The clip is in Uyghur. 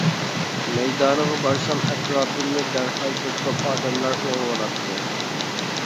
مەيدانىغا بارسام، ئەتراپىمنى دەرھال بىر توپ ئادەملەر ئورۇۋالاتتى.